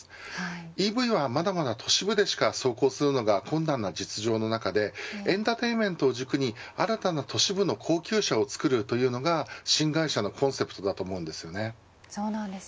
ＥＶはまだまだ都市部でしか走行するのが困難な実情の中でエンターテインメントを軸に新たな都市部の高級車を作るというのが新会社のコンセプトだと思います。